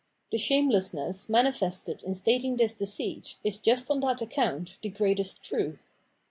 The shamelessness manifested in stating this deceit is just on that account the greatest truth.